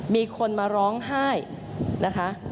มีคนมาร้องไห้นะคะ